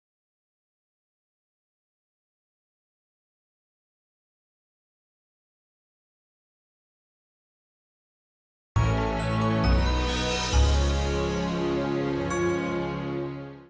sampai jumpa di video selanjutnya